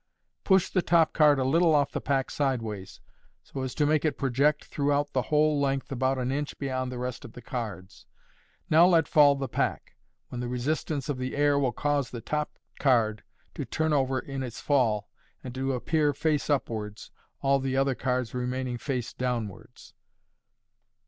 Push the top card a little off the pack side ways, so as to make it project throughout its whole length about an inch beyond the rest of the cards. Now let fall the pack, when the resist ance of the air will cause the top card to turn over in its fall, and to appear face upwards, all the other cards remaining face downwards.